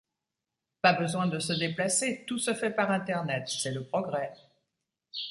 Pas besoin de se déplacer, tout se fait par Internet, c’est le progrès.